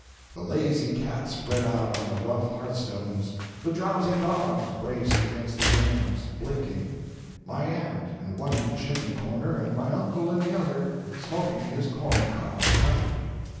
. the lazy cat spread out on the rough hearthstones, the drowsy dogs braced against the jambs, blinking; my aunt in one chimney corner, and my uncle in the other, smoking his corn cob pipe."